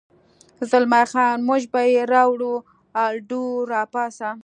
زلمی خان: موږ به یې راوړو، الډو، را پاڅه.